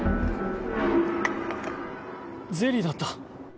ゼリーだった。